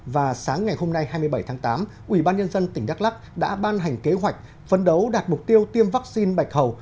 và sáng ngày hôm nay hai mươi bảy tháng tám ủy ban nhân dân tỉnh đắk lắc đã ban hành kế hoạch phấn đấu đạt mục tiêu tiêm vaccine bạch hầu